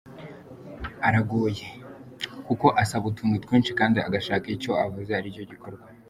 Aragoye kuko asaba utuntu twinshi kandi agashaka ko icyo avuze ari cyo gikorwa.